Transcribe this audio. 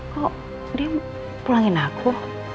kok dia pulangin aku